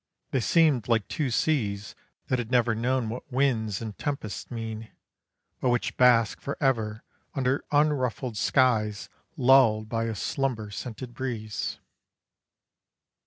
They seemed like two seas that had never known what winds and tempests mean, but which bask for ever under unruffled skies lulled by a slumber scented breeze.